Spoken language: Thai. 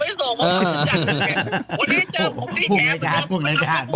พุ่งน้ำชาติพุ่งน้ำชาติ